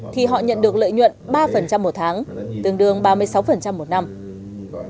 thì họ nhận được lợi nhuận ba mỗi tháng tương đương hai mươi bốn một năm lợi nhuận trên tổng số tiền đầu tư